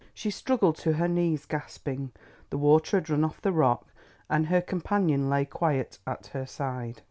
She struggled to her knees, gasping. The water had run off the rock, and her companion lay quiet at her side.